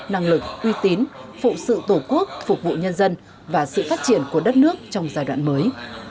năng lực uy tín phụ sự tổ quốc phục vụ nhân dân và sự phát triển của đất nước trong giai đoạn mới